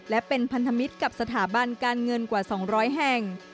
และเป็นพันธมิตรกับสถาบันการเงินกว่า๒๐๐แห่ง